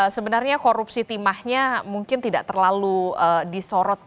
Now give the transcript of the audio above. sebenarnya korupsi timahnya mungkin tidak terlalu disorot